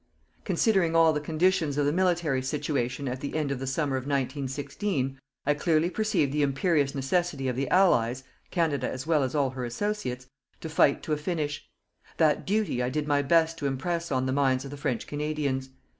Considering all the conditions of the military situation, at the end of the summer of 1916, I clearly perceived the imperious necessity of the Allies Canada as well as all her associates to fight to a finish. That duty I did my best to impress on the minds of the French Canadians.